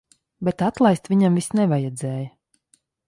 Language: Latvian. Bet atlaist viņam vis nevajadzēja.